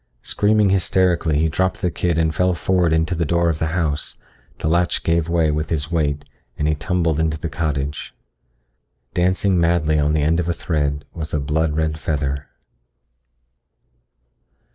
Screaming hysterically he dropped the kid and fell forward into the door of the house. The latch gave way with his weight and he tumbled into the cottage. Dancing madly on the end of a thread was a blood red feather.